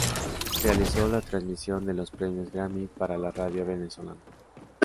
Realizó la transmisión de los Premios Grammy para la radio venezolana.